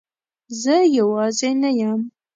زه یوازی نه یم